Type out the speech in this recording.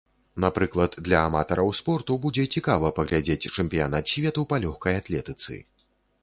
Напрыклад, для аматараў спорту будзе цікава паглядзець чэмпіянат свету па лёгкай атлетыцы.